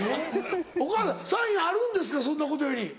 ・お母さんサインあるんですかそんなことより。